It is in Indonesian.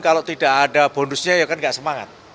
kalau tidak ada bonusnya ya kan gak semangat